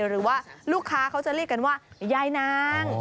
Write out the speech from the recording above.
หรือว่าลูกค้าเขาจะเรียกกันว่ายายนาง